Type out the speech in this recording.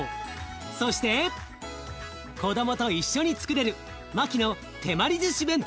そして子どもと一緒につくれるマキの手まりずし弁当。